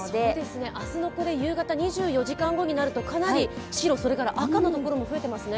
明日の夕方２４時間後になるとかなり白、それから赤のところも増えていますね。